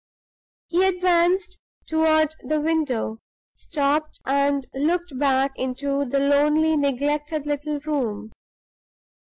He advanced toward the window, stopped, and looked back into the lonely, neglected little room.